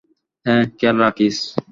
হ্যাঁ, খেয়াল রাখিস।